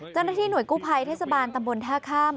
เจ้าหน้าที่หน่วยกู้ภัยเทศบาลตำบลท่าข้าม